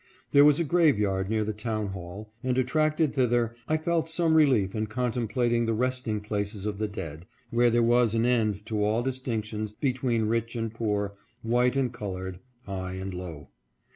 There was a graveyard near the town hall, and, attracted thither, I felt some relief in contemplat ing the resting places of the dead, where there was an end to all distinctions between rich and poor, white and colored, high and low.